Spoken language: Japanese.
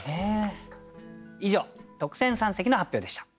以上特選三席の発表でした。